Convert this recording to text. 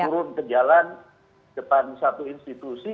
turun ke jalan depan satu institusi